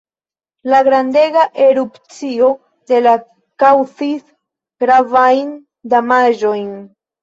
La grandega erupcio de la kaŭzis gravajn damaĝojn.